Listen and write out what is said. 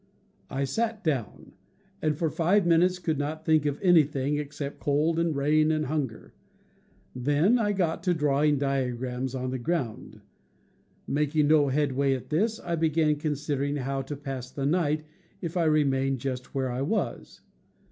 I sat down, and for five minutes could not think of anything, except cold, and rain, and hunger. Then I got to drawing dia grams on the ground. Making no headway at this, I began considering how to pass the night if I remained just where I was.